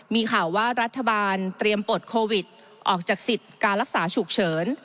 มีข่าวว่ารัฐบาลเตรียมปลดโควิดออกจากสิทธิ์การรักษาฉุกเฉิน